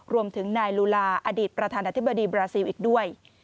รวมถึงนายลูลาอดีตประธานาธิบดีบราซิลอีกด้วย